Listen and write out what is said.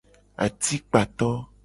Atikpato.